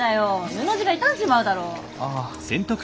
布地が傷んじまうだろう。ああ。